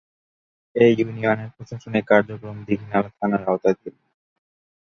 এ ইউনিয়নের প্রশাসনিক কার্যক্রম দীঘিনালা থানার আওতাধীন।